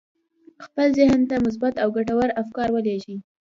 خپل ذهن ته مثبت او ګټور افکار ولېږئ